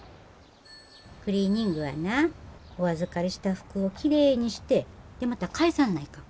クリーニングはなお預かりした服をきれいにしてでまた返さんないかん。